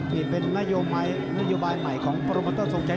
นี่เป็นนโยบายใหม่ของโปรโมเตอร์ทรงชัย